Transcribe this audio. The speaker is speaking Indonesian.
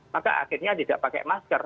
maka akhirnya tidak pakai masker